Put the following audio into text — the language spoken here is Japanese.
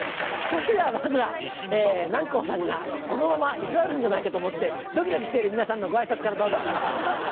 それではまずは南光さんがこのまま居座るんじゃないかと思ってドキドキしている皆さんのご挨拶からどうぞ。